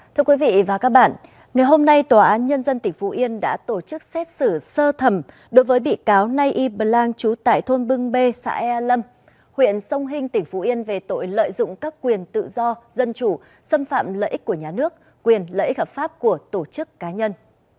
thưa quý vị và các bạn ngày hôm nay tòa án nhân dân tỉnh phú yên đã tổ chức xét xử sơ thẩm đối với bị cáo nay y bờ lang trú tại thôn bưng bê xã e lâm huyện sông hinh tỉnh phú yên về tội lợi dụng các quyền tự do dân chủ xâm phạm lợi ích của nhà nước quyền lợi ích hợp pháp của tổ chức cá nhân